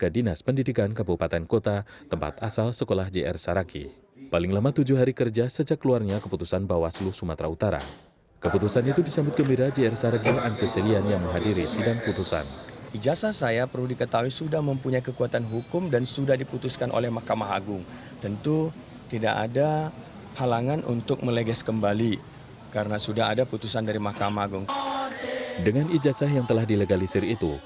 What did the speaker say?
dengan ijazah yang telah dilegalisir itu